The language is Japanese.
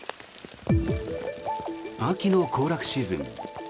秋の行楽シーズン